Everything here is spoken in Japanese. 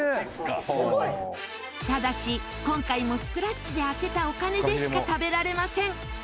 ただし今回もスクラッチで当てたお金でしか食べられません。